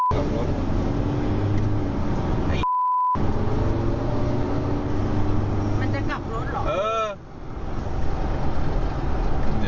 มันจะกลับรถเหรอ